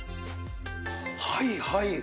はい、はい。